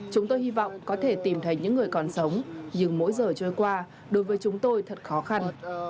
chúng tôi hy vọng có thể tìm thấy những người còn sống nhưng mỗi giờ trôi qua đối với chúng tôi thật khó khăn